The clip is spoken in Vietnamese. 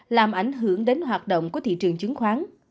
làm ảnh hưởng đến hoạt động của thị trường chứng khoán